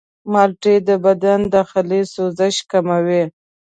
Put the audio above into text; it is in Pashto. مالټې د بدن داخلي سوزش کموي.